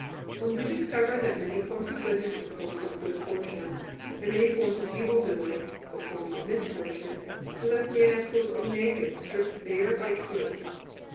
When we discovered that many forms of goodness were forms of good fortune, and many forms of evil doing were forms of misfortune, we left man absolutely naked, stripped bare by truth.